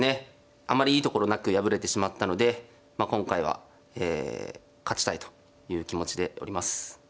あんまりいいところなく敗れてしまったので今回は勝ちたいという気持ちでおります。